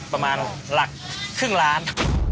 ประมาณหลักครึ่งล้าน